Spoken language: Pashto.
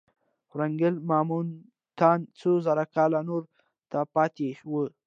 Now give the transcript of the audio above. ورانګل ماموتان څو زره کاله نورو ته پاتې وو.